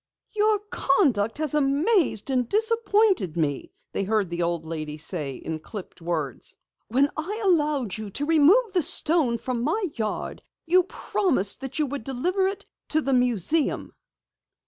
"Your conduct has amazed and disappointed me," they heard the old lady say in clipped words. "When I allowed you to remove the stone from my yard you promised that you would deliver it to the museum."